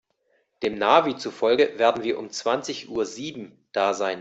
Dem Navi zufolge werden wir um zwanzig Uhr sieben da sein.